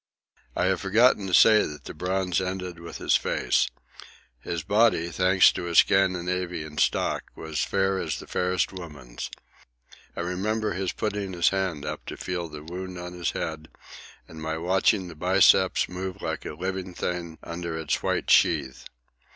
I have forgotten to say that the bronze ended with his face. His body, thanks to his Scandinavian stock, was fair as the fairest woman's. I remember his putting his hand up to feel of the wound on his head, and my watching the biceps move like a living thing under its white sheath.